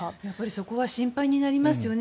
そこは心配になりますよね。